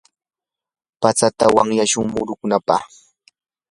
patsata wanyashun murunapaq.